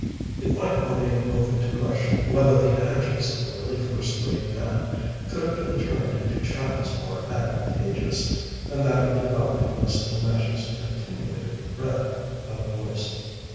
It might remain open to question whether the energies of the really first rate man could not have been turned into channels more advantageous than that of developing Miss Delmege's attenuated thread of voice.